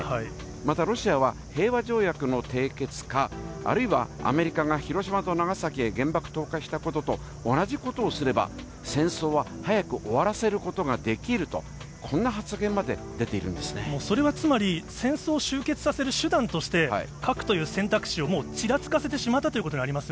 またロシアは、平和条約の締結か、あるいはアメリカが広島と長崎へ原爆投下したことと同じことをすれば、戦争は早く終わらせることができると、こんな発言まで出ているんそれはつまり、戦争を終結させる手段として、核という選択肢をもう、ちらつかせてしまったということになりま